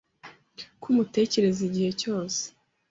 ko umutekereza igihe cyose